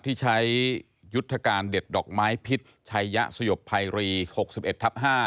ที่ใช้ยุทธการเด็ดดอกไม้พิษชัยยะสยบภัยรี๖๑ทับ๕